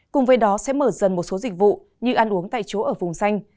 cùng với đó sẽ mở dần một số dịch vụ như ăn uống tại chỗ ở vùng xanh